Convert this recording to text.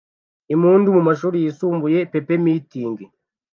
impundu mumashuri yisumbuye pep mitingi